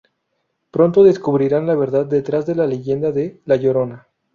Pronto descubrirán la verdad detrás de la leyenda de "La Llorona".